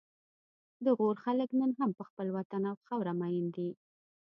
د غور خلک نن هم په خپل وطن او خاوره مین دي